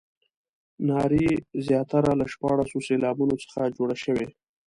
نارې زیاتره له شپاړسو سېلابونو څخه جوړې شوې.